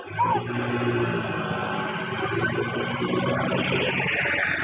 โรงโซิกาแห่งดังไมโรกอาจรวมเชื่อวิดีโนมัติมากกว่า